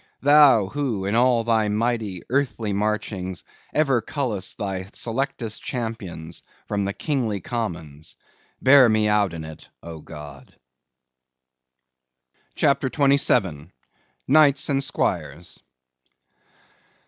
Thou who, in all Thy mighty, earthly marchings, ever cullest Thy selectest champions from the kingly commons; bear me out in it, O God! CHAPTER 27. Knights and Squires.